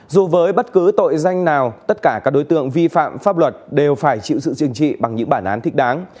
dù với bất cứ tội danh nào tất cả các đối tượng vi phạm pháp luật đều phải chịu sự chừng trị bằng những bản án thích đáng